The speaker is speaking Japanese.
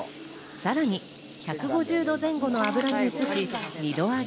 さらに１５０度前後の油に移し、二度揚げ。